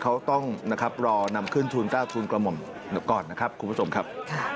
เค้าต้องรอนำขึ้นทุนกล้าเลยต่อก่อนคุณผู้ชมครับ